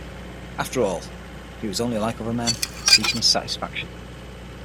After all, he was only like other men, seeking his satisfaction.